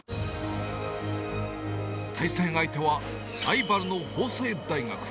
対戦相手はライバルの法政大学。